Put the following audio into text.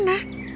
ayah mau ke mana